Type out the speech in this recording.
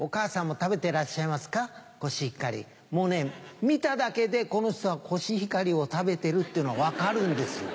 もうね見ただけでこの人はコシヒカリを食べてるってのが分かるんですよ。